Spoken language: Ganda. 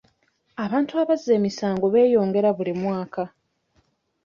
Abantu abazza emisango beeyongera buli mwaka.